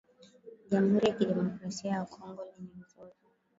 Jamhuri ya kidemokrasia ya Kongo lenye mzozo